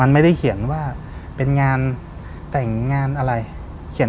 มันไม่ได้เขียนว่าเป็นงานแต่งงานอะไร